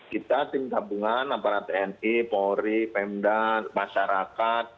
kita tim gabungan aparat tni polri pemda masyarakat